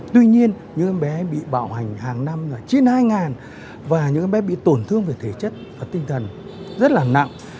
tuy nhiên những em bé bị bạo hành hàng năm là chín và những em bé bị tổn thương về thể chất và tinh thần rất là nặng